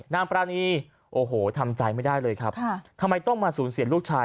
นางปรานีโอ้โหทำใจไม่ได้เลยครับทำไมต้องมาสูญเสียลูกชาย